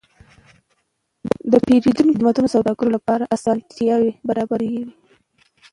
د پیرودونکو خدمتونه د سوداګرو لپاره اسانتیاوې برابروي.